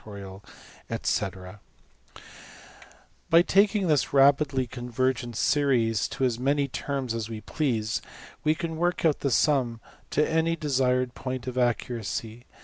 \ldots \] By taking this rapidly convergent series to as many terms as we please, we can work out the sum to any desired point of accuracy.